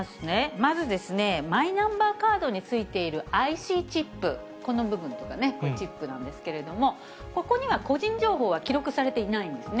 まず、マイナンバーカードについているＩＣチップ、この部分とかね、チップなんですけども、ここには個人情報は記録されていないんですね。